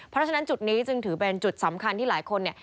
เพราะฉะนั้นจุดนี้จึงถือเป็นจุดสำคัญที่หลายคนเนี่ย